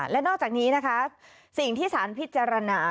และนอกจากนี้นะคะสิ่งที่สารพิจารณา